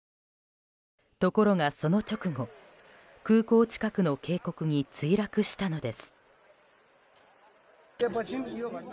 ところが、その直後空港近くの渓谷に墜落したのです。